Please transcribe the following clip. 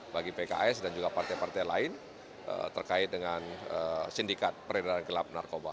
bagi pks dan juga partai partai lain terkait dengan sindikat peredaran gelap narkoba